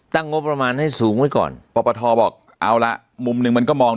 งบประมาณให้สูงไว้ก่อนปปทบอกเอาละมุมหนึ่งมันก็มอง